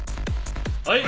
はい。